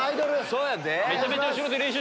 そうやで！